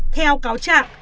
theo cáo trạng